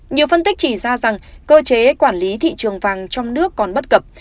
nhiều phân tích chỉ ra rằng cơ chế quản lý thị trường vàng trong nước còn bất cập